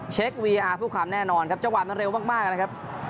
เช็ควีอาร์ผู้คำแน่นอนครับจังหวานมันเร็วมากมากนะครับ